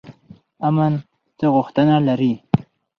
امن څه غوښتنه لري؟